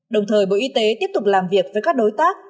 đồng thời bộ y tế tiếp tục làm việc với các đối tác